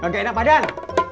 gak enak badan